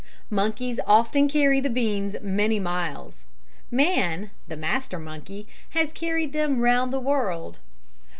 Monkeys often carry the beans many miles man, the master monkey, has carried them round the world.